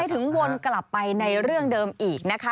ถึงวนกลับไปในเรื่องเดิมอีกนะคะ